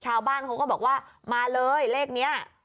ชาวบ้านเขาก็บอกว่ามาเลยเลขนี้